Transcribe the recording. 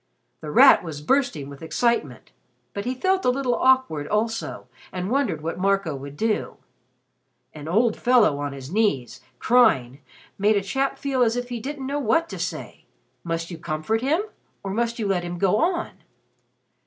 The Rat was bursting with excitement, but he felt a little awkward also and wondered what Marco would do. An old fellow on his knees, crying, made a chap feel as if he didn't know what to say. Must you comfort him or must you let him go on?